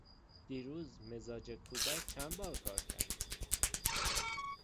دیروز مزاج کودک چند بار کار کرد؟